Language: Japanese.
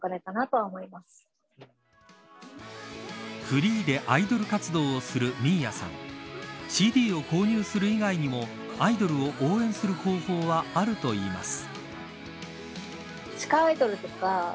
フリーでアイドル活動をするｍｉ−ｙａさんＣＤを購入する以外にもアイドルを応援する方法はあるといいます。